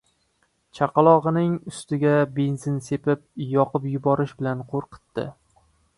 chaqalog‘ining ustiga benzin sepib, yoqib yuborish bilan qo‘rqitdi.